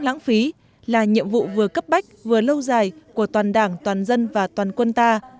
lãng phí là nhiệm vụ vừa cấp bách vừa lâu dài của toàn đảng toàn dân và toàn quân ta